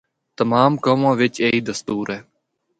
تمام قوماں وچ ایہہ دستور اے۔